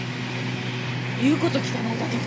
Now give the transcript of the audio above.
言う事聞かないだけで！？